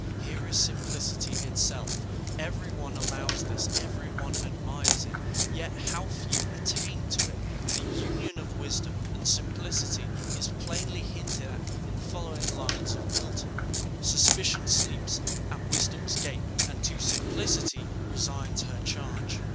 Here is simplicity itself. Every one allows this, every one admires it, yet how few attain to it! The union of wisdom and simplicity is plainly hinted at in the following lines of Milton: "Suspicion sleeps At Wisdom's gate, and to Simplicity Resigns her charge.'"